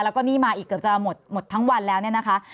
แล้วก็นี่มาอีกเกือบจะหมดทั้งวันแล้วเนี่ยนะคะ